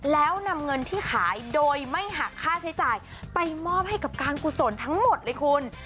แล้วนำเงินที่ขายโดยไม่หักค่าใช้จ่ายไปมอบให้กับการกุศลทั้งหมดเลยคุณ